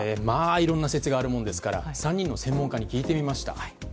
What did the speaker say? いろんな説があるものですから３人の専門家に聞いてみました。